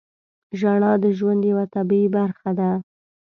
• ژړا د ژوند یوه طبیعي برخه ده.